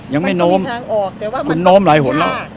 ยังไม่โน้มคุณโน้มหลายห่วงแล้ว